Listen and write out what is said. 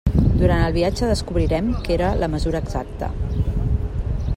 Durant el viatge descobrirem que era la mesura exacta.